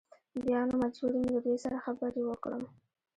بیا نو مجبور یم له دوی سره خبرې وکړم.